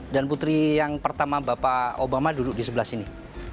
dan putri yang pertama bapak obama duduk di sebelah sini